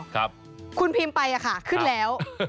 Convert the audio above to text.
ครับคุณพิมพ์ไปค่ะขึ้นแล้ว